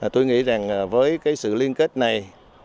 tôi nghĩ rằng với sự liên kết này